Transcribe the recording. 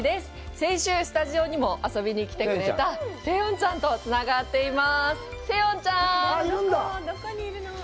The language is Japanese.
先週、スタジオにも遊びに来てくれたセヨンちゃんとつながっています。